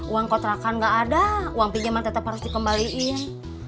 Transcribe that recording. uang kontrakan gak ada uang pinjaman tetap harus dikembaliin